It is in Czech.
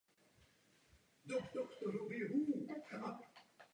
A tím jsem stále.